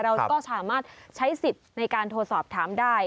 เราก็สามารถใช้สิทธิ์ในการโทรสอบถามได้